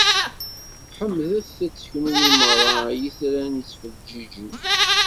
Ḥemdet- t, kunwi merra ay itran yettfeǧǧiǧen!